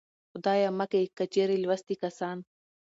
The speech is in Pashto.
خدايه مکې که چېرې لوستي کسان